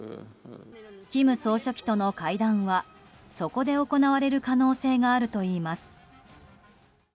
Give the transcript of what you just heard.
金総書記との会談はそこで行われる可能性があるといいます。